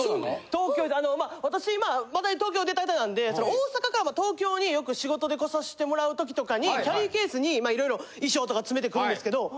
東京私まだ東京出たてなんで大阪から東京によく仕事で来させてもらう時とかにキャリーケースにいろいろ衣装とか詰めてくるんですけど。